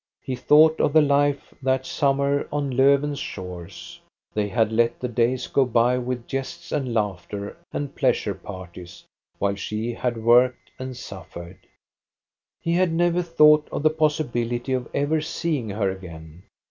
He thought of the life that summer on Lofven's shores. They had let the days go by with jests and laughter and pleasure parties, while she had worked and suffered. He had never thought of the possibility of ever seeing her again.